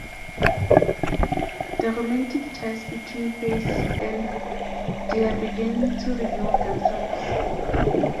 The romantic ties between Face and Dia begin to reveal themselves.